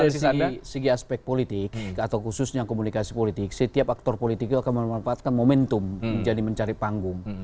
dari sisi aspek politik atau khususnya komunikasi politik setiap aktor politik itu akan memanfaatkan momentum menjadi mencari panggung